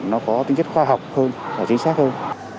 nó có tính chất khoa học hơn và chính xác hơn